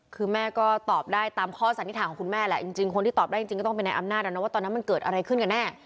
คือแม่ก็ตอบได้ตามข้อสันนิษฐานของคุณแม่แหละจริงคนที่ตอบได้จริงก็ต้องเป็นในอำนาจแล้วนะว่าตอนนั้นมันเกิดอะไรขึ้นกันแน่